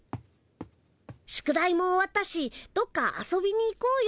宿題も終わったしどっか遊びに行こうよ。